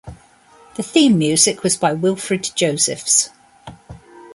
The theme music was by Wilfred Josephs.